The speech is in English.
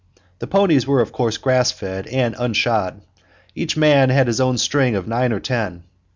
The ponies were of course grass fed and unshod. Each man had his own string of nine or ten.